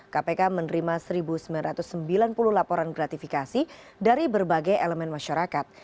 kpk menerima satu sembilan ratus sembilan puluh laporan gratifikasi dari berbagai elemen masyarakat